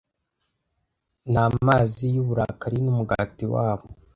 namazi yuburakari numugati wabo